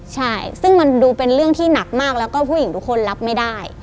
ใช่ซึ่งมันดูเป็นเรื่องที่หนักมากแล้วก็ผู้หญิงทุกคนรับไม่ได้